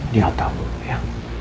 di atap ya